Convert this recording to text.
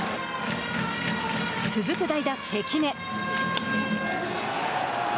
続く代打関根。